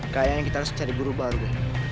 kayaknya kita harus cari guru baru